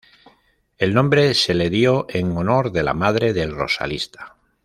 El nombre se le dio en honor de la madre del rosalista.